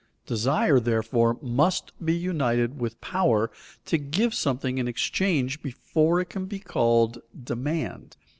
Desire, therefore, must be united with power to give something in exchange before it can be called demand.